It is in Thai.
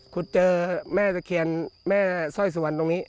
ขุดเจอแม่เศรษฐ์เคียนแม่ซ่อยสุวรรณตรงนี้